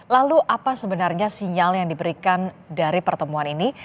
lalu apa sebenarnya sinyal yang diberikan dari pertemuan ini